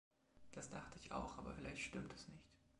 Das dachte ich auch, aber vielleicht stimmt es nicht.